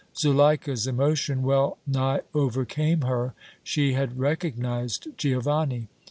Zuleika's emotion well nigh overcame her. She had recognized Giovanni.